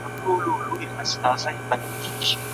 د ارغنداب سیند د ادبیاتو موضوع هم ګرځېدلی.